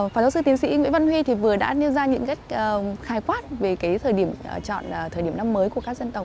phó giáo sư tiến sĩ nguyễn văn huy thì vừa đã nêu ra những cái khái quát về cái thời điểm chọn thời điểm năm mới của các dân tộc